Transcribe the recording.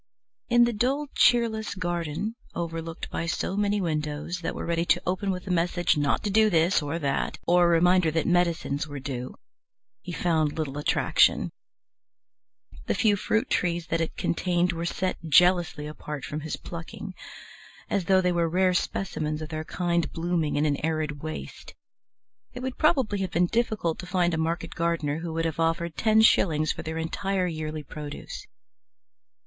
In the dull, cheerless garden, overlooked by so many windows that were ready to open with a message not to do this or that, or a reminder that medicines were due, he found little attraction. The few fruit trees that it contained were set jealously apart from his plucking, as though they were rare specimens of their kind blooming in an arid waste; it would probably have been difficult to find a market gardener who would have offered ten shillings for their entire yearly produce.